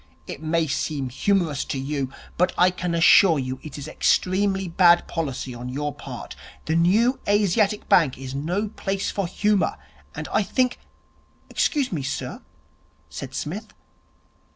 'It may seem humorous to you, but I can assure you it is extremely bad policy on your part. The New Asiatic Bank is no place for humour, and I think ' 'Excuse me, sir,' said Psmith.